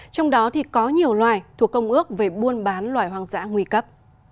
trong đó thì có nhiều loài thuộc công ước về buôn bán loài hoang dã nguy cấp